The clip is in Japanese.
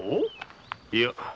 いや。